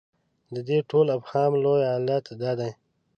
د دې ټول ابهام لوی علت دا دی.